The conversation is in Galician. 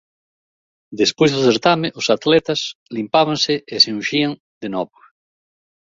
Despois do certame os atletas limpábanse e se unxían de novo.